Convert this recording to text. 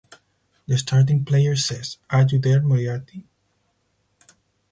The starting player says "Are you there Moriarty?".